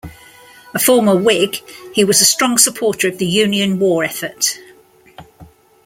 A former Whig, he was a strong supporter of the Union war effort.